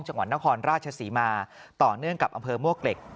จังหวัดนครราชศรีมาต่อเนื่องกับอำเภอมวกเหล็ก